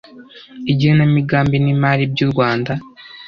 igenamigambi n'imari by'urwanda